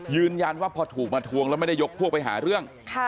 ว่าพอถูกมาทวงแล้วไม่ได้ยกพวกไปหาเรื่อง